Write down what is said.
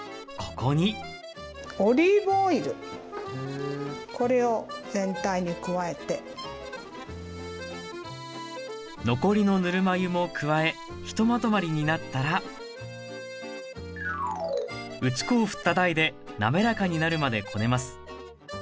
これを全体に加えて残りのぬるま湯も加えひとまとまりになったら打ち粉をふった台で滑らかになるまでこねます